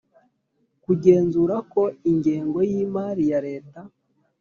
Kugenzura ko ingengo y imari ya leta